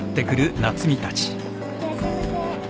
いってらっしゃいませ。